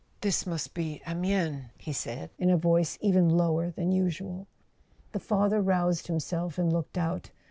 "This must be Amiens," he said, in a voice even lower than usual. The father roused himself and looked out.